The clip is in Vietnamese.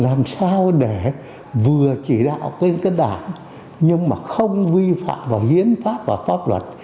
làm sao để vừa chỉ đạo cơ đảng nhưng mà không vi phạm vào hiến pháp và pháp luật